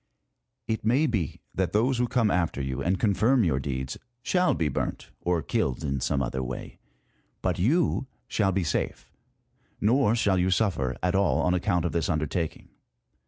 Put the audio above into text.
It may be that those who come after you, and confirm your deeds, shall be burnt, or killed in some other way ; but you shall be safe, nor shall you suffer at all on account of this under taking.